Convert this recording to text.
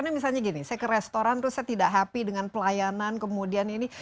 misalnya gini saya ke restoran terus saya tidak happy dengan pelayanan kemudian ini